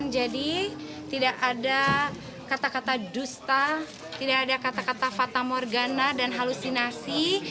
tidak ada kata kata dusta tidak ada kata kata fata morgana dan halusinasi